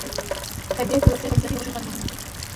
طبیعت، ورزش او موسیقي د خوښۍ لپاره اړین دي.